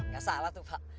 gak salah tuh pak